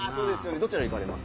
どちらへ行かれます？